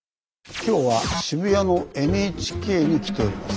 今日は渋谷のＮＨＫに来ております。